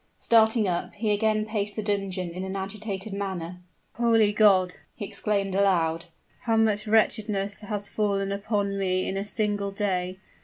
Starting up, he again paced the dungeon in an agitated manner. "Holy God!" he exclaimed aloud, "how much wretchedness has fallen upon me in a single day!